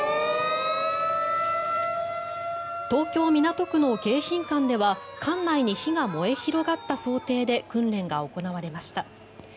東京・港区の迎賓館では館内に火が燃え広がった想定で訓練が行われました。